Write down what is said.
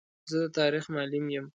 زه د تاریخ معلم یم.